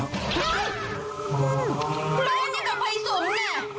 เฮ้ยเป็นอะไรกับใครสุดเนี่ย